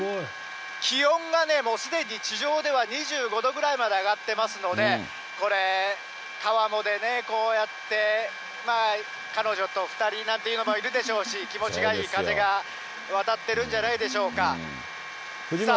気温がね、もうすでに地上では２５度ぐらいまで上がってますので、これ、かわもでね、こうやって、彼女と２人なんていうのもいるでしょうし、気持ちのいい風が渡ってるんじゃないでしょうか。